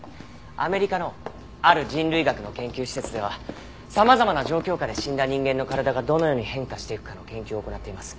アメリカのある人類学の研究施設では様々な状況下で死んだ人間の体がどのように変化していくかの研究を行っています。